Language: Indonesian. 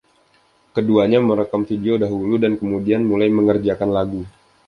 Keduanya merekam video dahulu dan kemudian mulai mengerjakan lagu.